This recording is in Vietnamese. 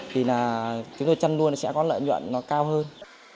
thì chúng tôi chăn nuôi sẽ có lợi nhuận cao hơn